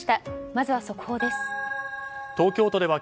まずは速報です。